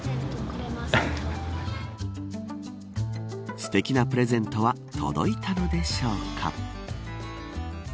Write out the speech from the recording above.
すてきなプレゼントは届いたのでしょうか。